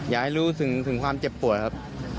อยากให้รู้ถึงความเจ็บปวดครับ